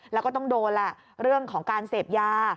แล้วก็ต้องโดนแหละเรื่องของการเสพยา